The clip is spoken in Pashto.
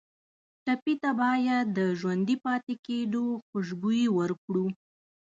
ټپي ته باید د ژوندي پاتې کېدو خوشبويي ورکړو.